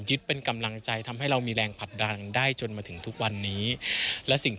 ยึดเป็นกำลังใจทำให้เรามีแรงผลัดดังได้จนมาถึงทุกวันนี้